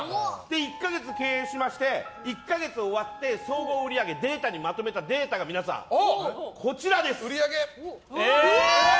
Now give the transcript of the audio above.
１か月経営しまして１か月終わって総合売上をまとめたデータが皆さんこちらです！